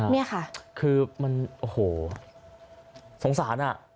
นี่ค่ะคือมันโอ้โหสงสารอ่ะ